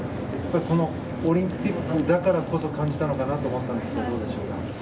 このオリンピックだからこそ感じたのかなと思ったんですがどうでしょうか。